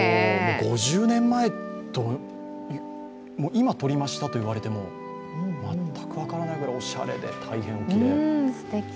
５０年前、今、撮りましたと言われても全く分からないくらいおしゃれで、大変おきれい。